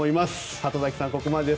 里崎さんはここまでです。